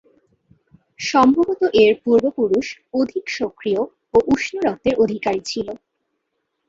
সম্ভবত এর পূর্বপুরুষ অধিক সক্রিয় ও উষ্ণ রক্তের অধিকারী ছিল।